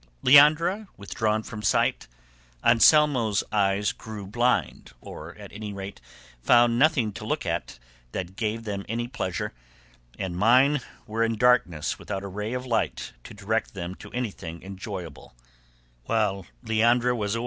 Leandra withdrawn from sight, Anselmo's eyes grew blind, or at any rate found nothing to look at that gave them any pleasure, and mine were in darkness without a ray of light to direct them to anything enjoyable while Leandra was away.